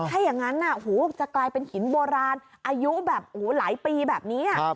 ถ้าอย่างนั้นจะกลายเป็นหินโบราณอายุแบบหลายปีแบบนี้